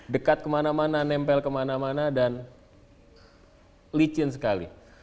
dekat kemana mana nempel kemana mana dan licin sekali